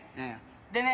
でね